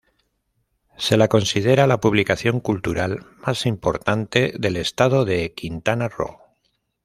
Se la considera la publicación cultural más importante del Estado de Quintana Roo.